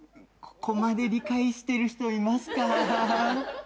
ここまで理解してる人いますか？